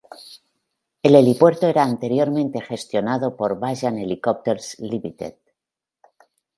El helipuerto era anteriormente gestionado por Bajan Helicopters Ltd.